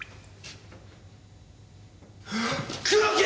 黒木！